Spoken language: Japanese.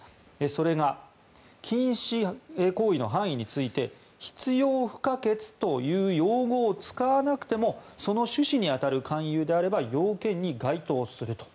それが、禁止行為の範囲について必要不可欠という用語を使わなくてもその趣旨に当たる勧誘であれば要件に該当すると。